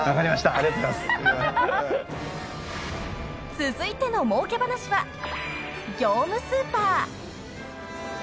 ［続いてのもうけ話は業務スーパー］